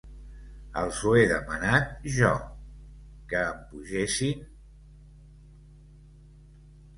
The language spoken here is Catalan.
Els ho he demanat jo, que em pugessin...